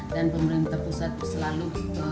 dan pemerintah pusat selalu